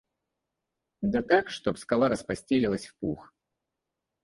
Да так, чтоб скала распостелилась в пух.